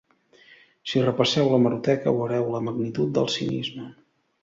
Si repasseu l'hemeroteca, veureu la magnitud del cinisme.